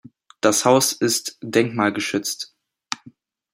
Das Haus ist denkmalgeschützt.